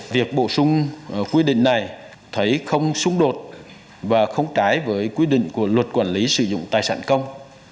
việc bổ sung quy định này thấy không xung đột và không trái với quy định của luật quản lý sử dụng tài sản công